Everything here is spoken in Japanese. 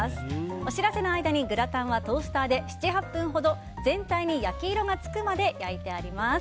お知らせの間にグラタンはトースターで７８分ほど全体に焼き色がつくまで焼いてあります。